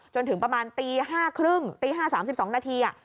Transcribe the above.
จนถึงประมาณตี๕๓๐ตี๕๓๒นาที